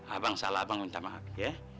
abang salah abang minta maaf ya